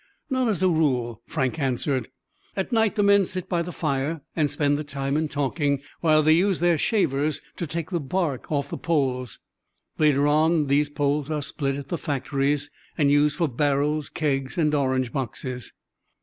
"Not as a rule," Frank answered. "At night the men sit by the fire, and spend the time in talking, while they use their shavers to take the bark off the poles. Later on these poles are split at the factories and used for barrels, kegs, and orange boxes."